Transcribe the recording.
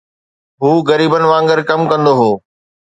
هو غريبن وانگر ڪم ڪندو هو